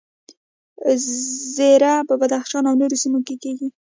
زیره په بدخشان او نورو سیمو کې کیږي